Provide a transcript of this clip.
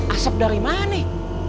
asep dari mana nih